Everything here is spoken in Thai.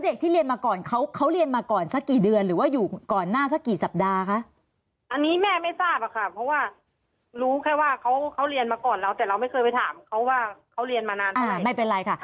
แต่เราไม่เคยไปถามเขาว่าเขาเรียนมานานไปไม่เป็นไรค่ะ